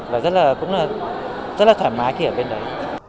và rất là thoải mái khi ở bên đấy